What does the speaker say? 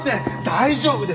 大丈夫です。